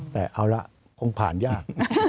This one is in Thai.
แต่เอาละคงผ่านยาก